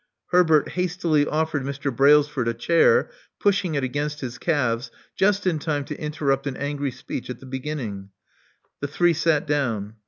Herbert hastily offered Mr. Brailsford a chair, pushing it against his calves just in time to interrupt an angry speech at the beginning. The three sat down.